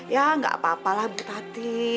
ya enggak apa apalah bu tati